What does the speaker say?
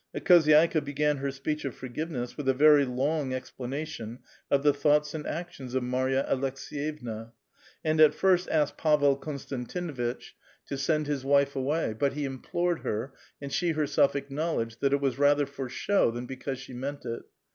The khozydXka began her speech of forgiveness with a very long explanation of the thoughts and actions of Mary a Aleks^yevna, and at first asked Pavel Konstantinuitch to 142 .1 VITAL QUESTION. send his wife away ; but ho implored her, and she herself afkiiowleilgt'd, that it was rather for show than because she lutaut it.